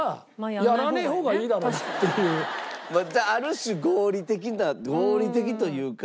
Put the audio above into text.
ある種合理的な合理的というか。